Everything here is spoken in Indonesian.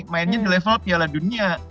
mainnya di level piala dunia